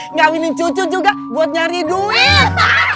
ngawinin cucu juga buat nyari duit